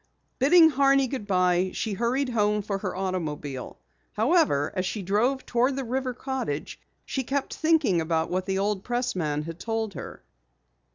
Bidding Horney good bye, she hurried home for her automobile. However, as she drove toward the river cottage she kept thinking about what the old pressman had told her.